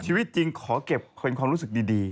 ชีวิตจริงขอเก็บเป็นความรู้สึกดี